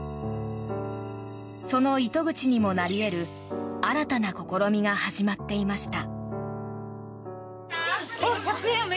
その糸口にもなり得る新たな試みが始まっていました。